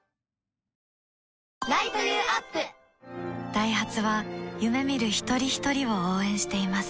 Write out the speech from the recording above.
ダイハツは夢見る一人ひとりを応援しています